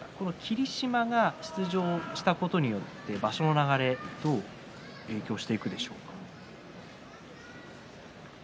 霧島が出場したことによって場所の流れどう影響していきますかね。